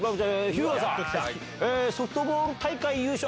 日向さん「ソフトボール大会優勝」。